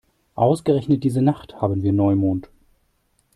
Ausgerechnet diese Nacht haben wir Neumond.